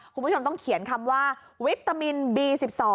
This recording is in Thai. คุณผู้ชมต้องเขียนคำว่าวิตามินบี๑๒